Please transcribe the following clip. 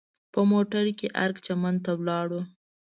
په موټر کې ارګ چمن ته ولاړو.